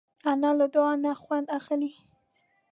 انا له دعا نه خوند اخلي